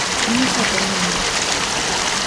Imos á Coruña.